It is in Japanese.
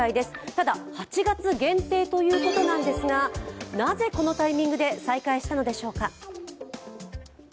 ただ、８月限定ということなんですがなぜこのタイミングで再開したのでしょうか。